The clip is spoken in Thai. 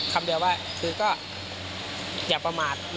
ก็เจอกันอย่าประมาท